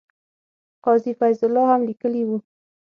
قاضي فیض الله هم لیکلي وو.